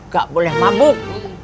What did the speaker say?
gak boleh mabuk